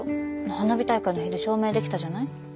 花火大会の日で証明できたじゃない？